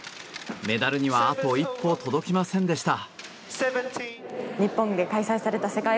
メダルにはあと一歩、届きませんでした。